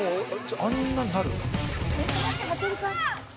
あんなんなる？